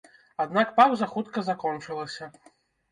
Аднак паўза хутка закончылася.